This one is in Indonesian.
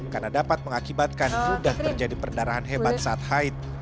karena dapat mengakibatkan hubungan dan terjadi perdarahan hebat saat haid